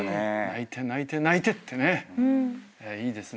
「泣いて泣いて泣いて」ってねいいですね。